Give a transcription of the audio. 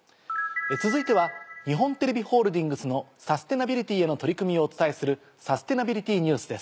続いては日本テレビホールディングスのサステナビリティへの取り組みをお伝えする。